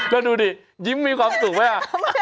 ก็ดูดิยิ้มมีความสุขไหม